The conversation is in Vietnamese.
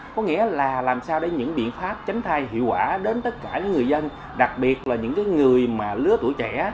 có nghĩa là làm sao để những biện pháp tránh thai hiệu quả đến tất cả những người dân đặc biệt là những người mà lứa tuổi trẻ